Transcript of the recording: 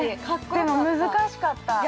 でも、難しかった。